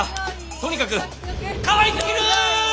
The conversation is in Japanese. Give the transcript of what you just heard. とにかくかわいすぎる！